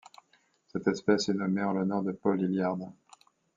Cette espèce est nommée en l'honneur de Paul Hillyard.